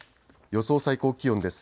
予想最高気温です。